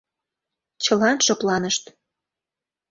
Чылан шыпланышт.